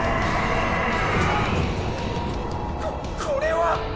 ここれは。